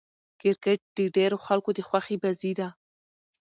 کرکټ د ډېرو خلکو د خوښي بازي ده.